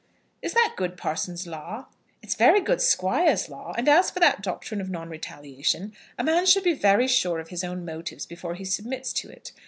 "Is that good parson's law?" "It's very good squire's law. And as for that doctrine of non retaliation, a man should be very sure of his own motives before he submits to it.